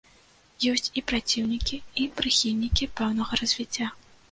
Ёсць і праціўнікі і прыхільнікі пэўнага развіцця.